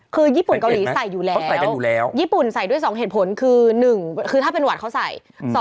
คือญี่ปุ่นเกาหลีใส่อยู่แล้วญี่ปุ่นใส่ด้วย๒เหตุผลคือ๑คือถ้าเป็นหวัดเขาใส่